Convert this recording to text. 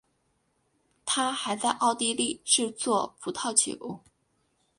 他还在奥地利制作葡萄酒。